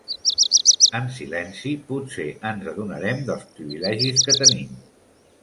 En silenci potser ens adonarem dels privilegis que tenim.